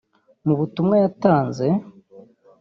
Mu butumwa yatanze